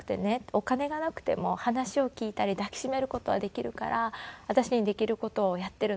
お金がなくても話を聞いたり抱きしめる事はできるから私にできる事をやってるのよ」